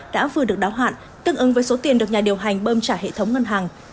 đã vừa được đáo hạn tương ứng với số tiền được nhà điều hành bơm trả hệ thống ngân hàng